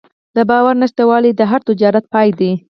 د باور نشتوالی د هر تجارت پای ده.